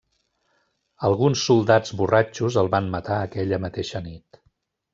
Alguns soldats borratxos el van matar aquella mateixa nit.